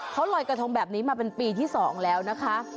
เขาลอยกระทงแบบนี้มาเป็นปีที่๒แล้วนะคะ